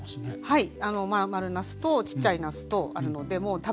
はい。